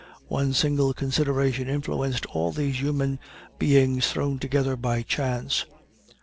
One single consideration influenced all these human beings thrown together by chance.